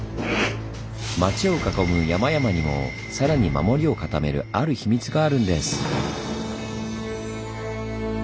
町を囲む山々にもさらに守りをかためるあるヒミツがあるんです。